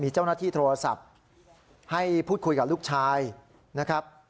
เจ้าหน้าที่โทรศัพท์ให้พูดคุยกับลูกชายนะครับ